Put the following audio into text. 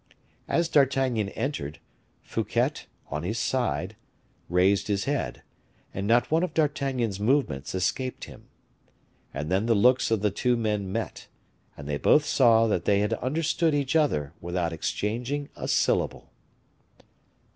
As D'Artagnan entered, Fouquet, on his side, raised his head, and not one of D'Artagnan's movements escaped him. And then the looks of the two men met, and they both saw that they had understood each other without exchanging a syllable.